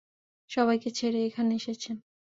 সবাইকে ছেড়ে এখানে এসেছেন।